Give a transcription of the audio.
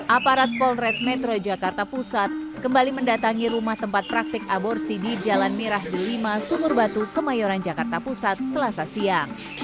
aparat polres metro jakarta pusat kembali mendatangi rumah tempat praktik aborsi di jalan mirah delima sumur batu kemayoran jakarta pusat selasa siang